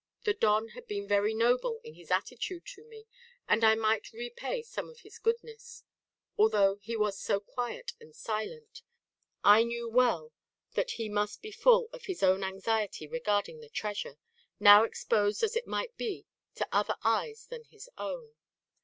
The Don had been very noble in his attitude to me; and I might repay some of his goodness. Although he was so quiet and silent, I knew well that he must be full of his own anxiety regarding the treasure, now exposed as it might be to other eyes than his own.